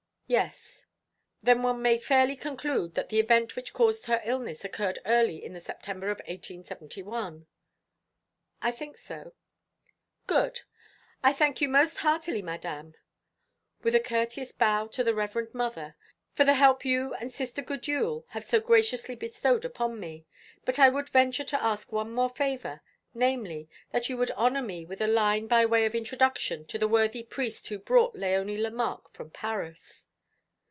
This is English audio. "Yes." "Then one may fairly conclude that the event which caused her illness occurred early in the September of 1871." "I think so." "Good. I thank you most heartily, Madame," with a courteous bow to the Reverend Mother, "for the help you and Sister Gudule have so graciously bestowed upon me. But I would venture to ask one more favour, namely, that you would honour me with a line by way of introduction to the worthy priest who brought Léonie Lemarque from Paris."